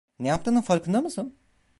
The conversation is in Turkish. Ne yaptığının farkında mısın?